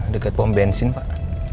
dekat pom bensin pak